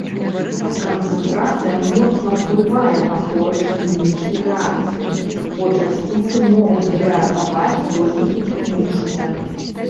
Канцэнтрацыя моцна ўплывае на скорасць хімічнай рэакцыі, бо часціцы могуць зрэагаваць толькі сутыкнуўшыся.